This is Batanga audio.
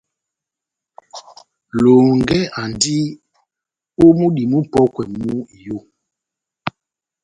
Lohongɛ andi ó múdi mupɔ́kwɛ mú iyó.